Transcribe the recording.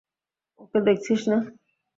ওকে দেখছিস না?